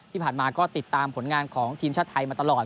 ที่ผ่านมาก็ติดตามผลงานของทีมชาติไทยมาตลอด